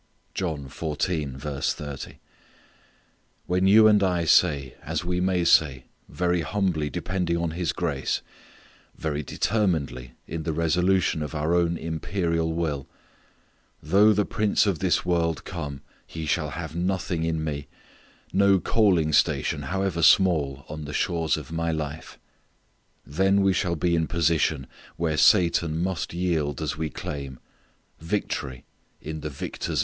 " When you and I say, as we may say, very humbly depending on His grace, very determinedly in the resolution of our own imperial will, "though the prince of this world come he shall have nothing in me, no coaling station however small on the shores of my life," then we shall be in position where Satan must yield as we claim victory in the Victor's Name.